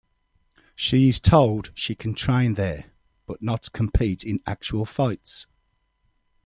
She is told she can train there, but not compete in actual fights.